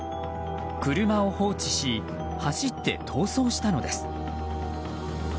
車を放置し走って逃走したのです。